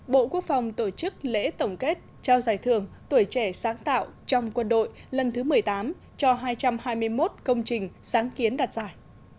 bộ quốc phòng tổ chức lễ tổng kết trao giải thưởng tuổi trẻ sáng tạo trong quân đội lần thứ một mươi tám cho hai trăm hai mươi một công trình sáng kiến đặt giải